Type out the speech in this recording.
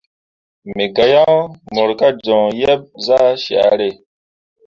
Me ga yaŋ mor ka joŋ yeb zah syare.